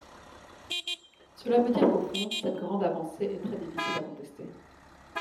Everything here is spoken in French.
Cela veut dire qu’au fond, cette grande avancée est très difficile à contester.